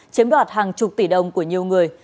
chiếm đoạt hàng chục tỷ đồng của nhiều người